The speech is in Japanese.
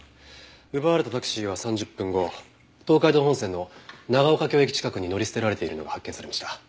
奪われたタクシーは３０分後東海道本線の長岡京駅近くに乗り捨てられているのが発見されました。